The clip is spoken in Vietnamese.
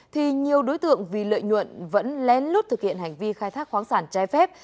thì nhiều đối tượng vì lợi nhuận vẫn lén lút thực hiện hành vi khai thác khoáng sản trái phép